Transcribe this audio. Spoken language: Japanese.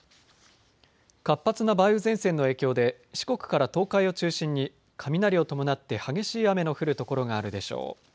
活発な梅雨前線の影響で四国から東海を中心に雷を伴って激しい雨の降る所があるでしょう。